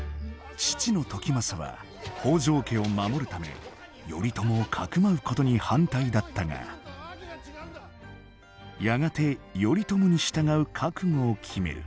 父の時政は北条家を守るため頼朝を匿うことに反対だったがやがて頼朝に従う覚悟を決める。